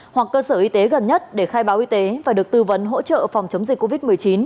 hoặc cơ sở y tế gần nhất để khai báo y tế và được tư vấn hỗ trợ phòng chống dịch covid một mươi chín